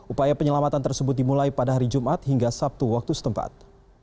upaya penyelamatan tersebut dimulai pada hari jumat hingga sabtu waktu setempat